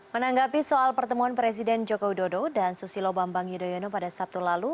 menanggapi soal pertemuan presiden joko widodo dan susilo bambang yudhoyono pada sabtu lalu